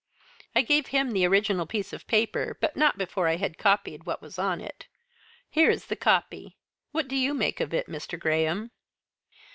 I gave him the original piece of paper, but not before I had copied what was on it. Here is the copy. What do you make of it, Mr. Graham?"